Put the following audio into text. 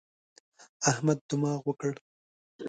احمد دماغ وکړ.